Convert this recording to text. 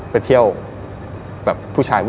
ไปเที่ยวแบบผู้ชาย